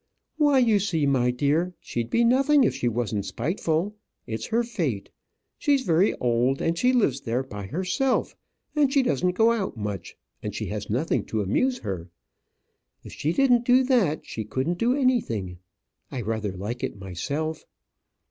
"Why, you see, my dear, she'd be nothing if she wasn't spiteful. It's her fate. She's very old, and she lives there by herself, and she doesn't go out much, and she has nothing to amuse her. If she didn't do that, she couldn't do anything. I rather like it myself."